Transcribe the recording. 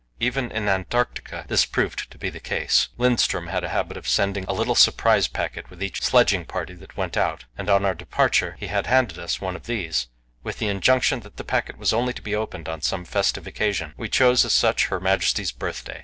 Even in Antarctica this proved to be the case. Lindström had a habit of sending a little surprise packet with each sledging party that went out, and on our departure he had handed us one of these, with the injunction that the packet was only to be opened on some festive occasion; we chose as such Her Majesty's birthday.